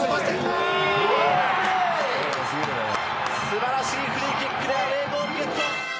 素晴らしいフリーキックでアウェーゴールゲット。